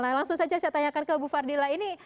nah langsung saja saya tanyakan ke bu fardila ini